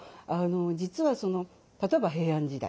実はその例えば平安時代